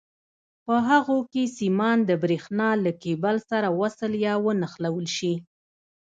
په هغو کې سیمان د برېښنا له کېبل سره وصل یا ونښلول شي.